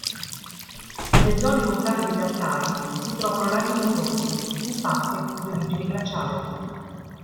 Nelle zone montane degli Altaj si trovano laghi numerosi, in parte di origine glaciale.